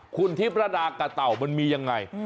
คุณทิพรดากับเต่ามันมีอย่างไร